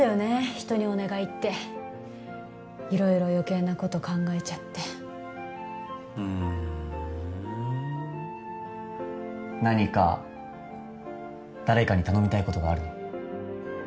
人にお願いって色々余計なこと考えちゃってふん何か誰かに頼みたいことがあるの？